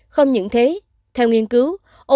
không những thế theo nghiên cứu